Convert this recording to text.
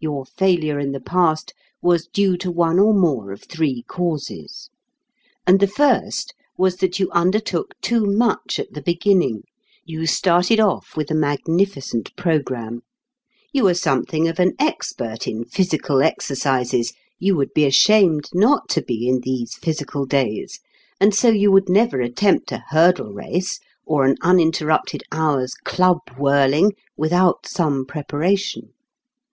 Your failure in the past was due to one or more of three causes. And the first was that you undertook too much at the beginning. You started off with a magnificent programme. You are something of an expert in physical exercises you would be ashamed not to be, in these physical days and so you would never attempt a hurdle race or an uninterrupted hour's club whirling without some preparation.